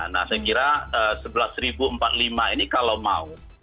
nah saya kira sebelas empat puluh lima ini kalau mau